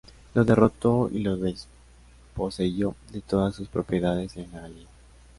Lo derrotó y lo desposeyó de todas sus propiedades en la Galia.